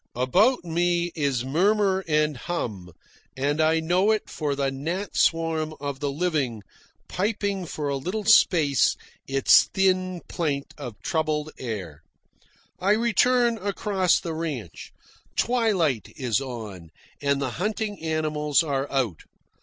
About me is murmur and hum, and I know it for the gnat swarm of the living, piping for a little space its thin plaint of troubled air. I return across the ranch. Twilight is on, and the hunting animals are out.